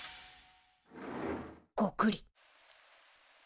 ゴクリ。